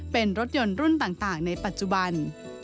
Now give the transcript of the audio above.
เป็นรถยนต์รุ่นต่างในปัจจุบัน